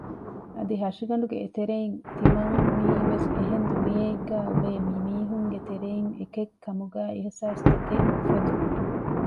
އަދި ހަށިގަނޑުގެ އެތެރެއިން ތިމަން މިއީވެސް އެހެން ދުނިޔެއެއްގައި އުޅޭ މި މީހުންގެތެރެއިން އެކެއްކަމުގެ އިޙްސާސްތަކެއް އުފެދުން